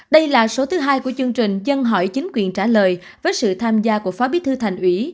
đây là số thứ hai của chương trình dân hỏi chính quyền trả lời với sự tham gia của phó bí thư thành ủy